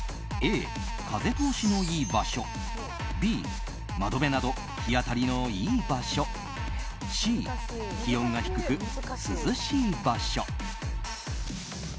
Ａ、風通しの良い場所Ｂ、窓辺など日当たりの良い場所Ｃ、気温が低く涼しい場所。